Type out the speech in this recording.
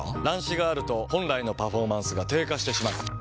乱視があると本来のパフォーマンスが低下してしまう。